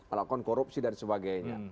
alakon korupsi dan sebagainya